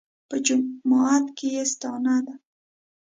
په جماعت کې یې ستانه ده.